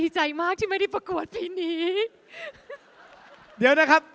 ชิดซ้ายเลยค่ะ